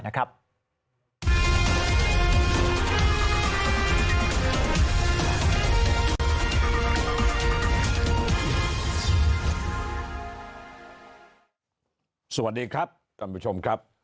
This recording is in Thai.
สวัสดีครับท่านผู้ชมครับ